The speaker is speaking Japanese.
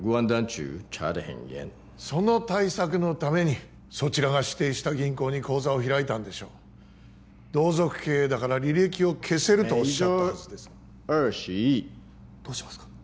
その対策のためにそちらが指定した銀行に口座を開いたんでしょ同族経営だから履歴を消せるとおっしゃったはずですどうしますか？